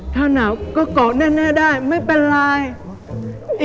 ถ้าหนาวก็เกาะแน่ได้ไม่เป็นไร